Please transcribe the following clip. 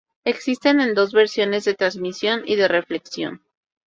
Existen en dos versiones: de transmisión y de reflexión.